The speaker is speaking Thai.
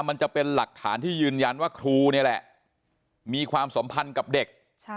มันจะเป็นหลักฐานที่ยืนยันว่าครูนี่แหละมีความสัมพันธ์กับเด็ก